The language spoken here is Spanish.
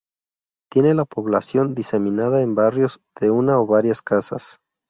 Tiene la población diseminada en barrios de una o varias casas.